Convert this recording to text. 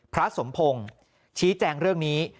พระสมพงศ์ชี้แจงเรื่องนี้